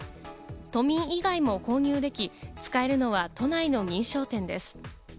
都民以外も購入でき、使えるのは都内の認証店です。